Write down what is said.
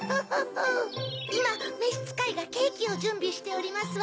いまめしつかいがケーキをじゅんびしておりますわ。